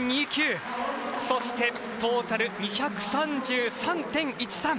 そしてトータル２３３．１３。